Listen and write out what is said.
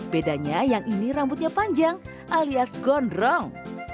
bedanya yang ini rambutnya panjang alias gondrong